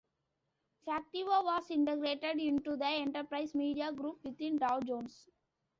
Factiva was integrated into the Enterprise Media Group within Dow Jones.